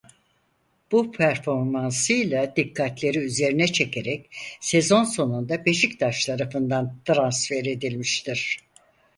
Bu performansıyla dikkatleri üzerine çekerek sezon sonunda Beşiktaş tarafından transfer edilmiştir.